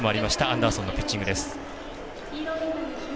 アンダーソンのピッチングです。